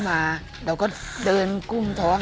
มาแล้วก็เดินกุ้มท้อง